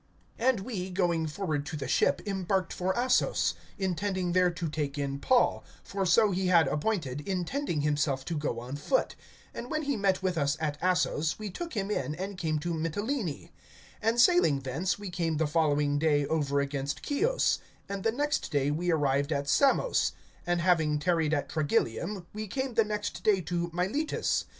(13)And we, going forward to the ship, embarked for Assos, intending there to take in Paul; for so he had appointed, intending himself to go on foot. (14)And when he met with us at Assos, we took him in, and came to Mitylene. (15)And sailing thence, we came the following day over against Chios; and the next day we arrived at Samos; and having tarried at Trogyllium, we came the next day to Miletus.